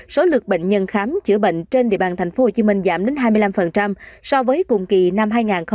số lượng bệnh nhân khám chữa bệnh trên địa bàn tp hcm giảm đến hai mươi năm so với cùng kỳ năm hai nghìn hai mươi ba